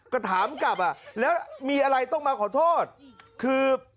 ก็ถามกลับอ่ะแล้วมีอะไรต้องมาขอโทษคือ